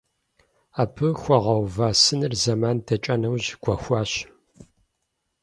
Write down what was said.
Абы хуагъэува сыныр зэман дэкӀа нэужь гуэхуащ.